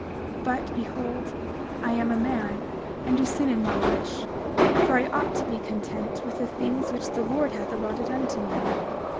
29:3 But behold, I am a man, and do sin in my wish; for I ought to be content with the things which the Lord hath allotted unto me.